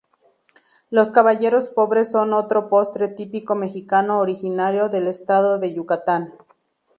Los caballeros pobres son otro postre típico mexicano originario del estado de Yucatán.